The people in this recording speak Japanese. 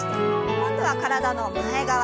今度は体の前側。